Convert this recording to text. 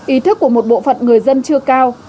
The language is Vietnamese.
ý thức của một bộ phận người dân chưa cao